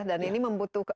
dan ini membutuhkan